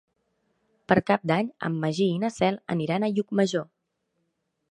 Per Cap d'Any en Magí i na Cel aniran a Llucmajor.